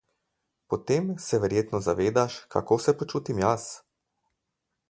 Potem se verjetno zavedaš kako se počutim jaz.